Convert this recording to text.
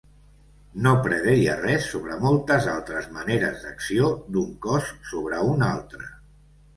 No predeia res sobre moltes altres maneres d'acció d'un cos sobre un altre.